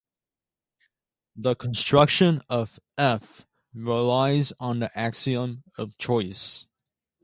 The construction of "f" relies on the axiom of choice.